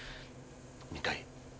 見たい？